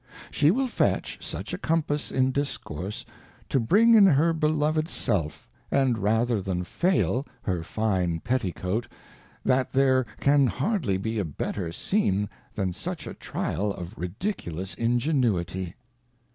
She wUl fetch such a Compass in Discourse to bring in her beloved Self, and rather than fail, her fine Petty Coat, that there can hardly be a better Scene than such a Tryal of ridiculous Ingenuity.